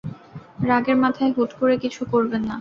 রাগের মাথায় হুট করে কিছু করবেন না।